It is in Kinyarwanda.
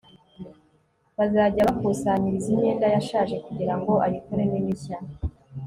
bazajya bakusanyiriza imyenda yashaje kugira ngo ayikoremo imishya